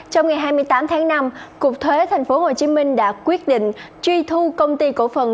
trong ngày hai mươi tám tháng năm cục thuế tp hcm đã quyết định truy thu công ty cổ phần